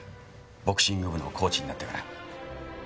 ボクシング部のコーチになってから。